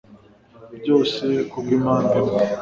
byose kubwimpamvu imwe